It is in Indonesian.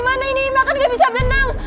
mana ini makan gak bisa berenang